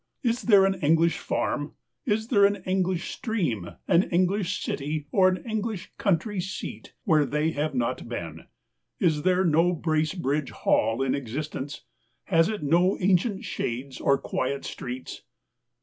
Is there an Eng lish farm — is there an English stream, an Eng lish city, or an English country seat, where they have not been? Is there no Bracebridge Hall in existence? Has it no ancient shades or quiet streets